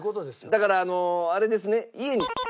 だからあれですね。